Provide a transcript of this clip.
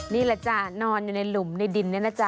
นี่แหละจ้ะนอนอยู่ในหลุมในดินเนี่ยนะจ๊